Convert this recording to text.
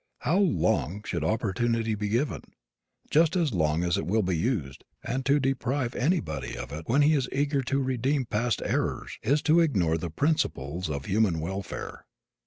How long should opportunity be given? Just as long as it will be used, and to deprive anybody of it when he is eager to redeem past errors is to ignore the principles of human welfare.